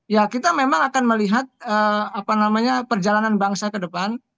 ya kita memang akan melihat perjalanan bangsa ke depan